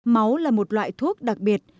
máu là một loại thuốc đặc biệt